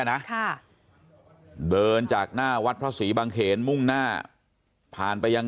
นะค่ะเดินจากหน้าวัดพระศรีบางเขนมุ่งหน้าผ่านไปยัง